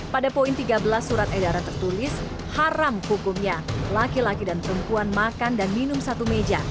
pada poin tiga belas surat edaran tertulis haram hukumnya laki laki dan perempuan makan dan minum satu meja